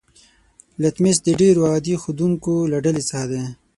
لتمس د ډیرو عادي ښودونکو له ډلې څخه دی.